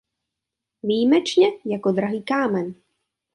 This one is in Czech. Výjimečně jako drahý kámen.